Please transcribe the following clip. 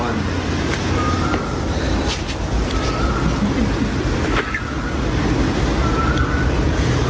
อ่าเดี๋ยวให้พร